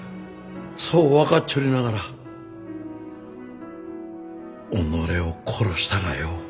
そう分かっちょりながら己を殺したがよ。